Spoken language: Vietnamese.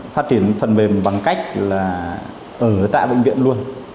phát triển phần mềm bằng cách là ở tại bệnh viện luôn